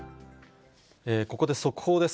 ここで速報です。